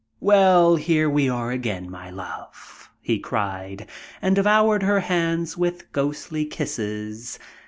"Well, here we are again, my love!" he cried, and devoured her hands with ghostly kisses.